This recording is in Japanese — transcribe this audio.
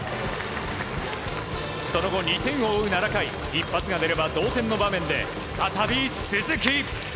その後、２点を追う７回一発が出れば同点の場面で再び鈴木。